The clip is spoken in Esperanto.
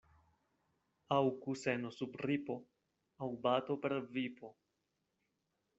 Aŭ kuseno sub ripo, aŭ bato per vipo.